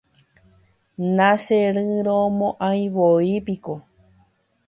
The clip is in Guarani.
nacheñyrõmo'ãivoi piko